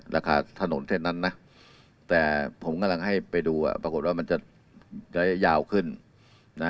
ราคาถนนเส้นนั้นนะแต่ผมกำลังให้ไปดูอ่ะปรากฏว่ามันจะระยะยาวขึ้นนะ